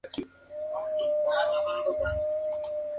Subcampeón: Comunicaciones.